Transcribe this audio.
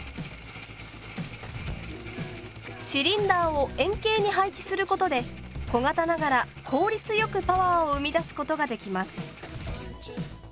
シリンダーを円形に配置することで小型ながら効率よくパワーを生み出すことができます。